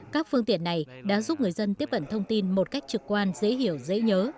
các phương tiện này đã giúp người dân tiếp ẩn thông tin một cách trực quan dễ hiểu dễ nhớ